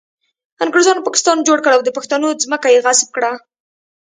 انګریزانو پاکستان جوړ کړ او د پښتنو ځمکه یې غصب کړه